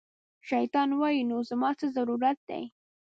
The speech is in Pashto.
شیطان وایي، نو زما څه ضرورت دی